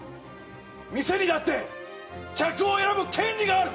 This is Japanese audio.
店にだって客を選ぶ権利がある！